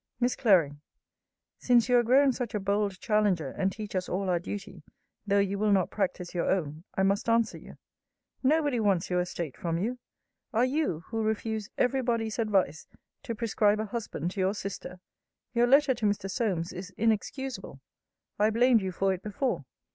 MISS CLARY, Since you are grown such a bold challenger, and teach us all our duty, though you will not practise your own, I must answer you. Nobody wants you estate from you. Are you, who refuse ever body's advice, to prescribe a husband to your sister? Your letter to Mr. Solmes is inexcusable. I blamed you for it before.